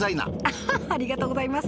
ハハありがとうございます。